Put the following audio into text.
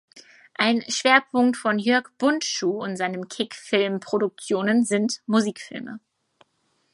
Ein Schwerpunkt von Jörg Bundschuh und seinen Kick Film Produktionen sind Musikfilme.